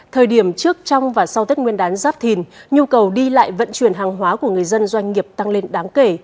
thời điểm trước trong và sau tết nguyên đán giáp thìn nhu cầu đi lại vận chuyển hàng hóa của người dân doanh nghiệp tăng lên đáng kể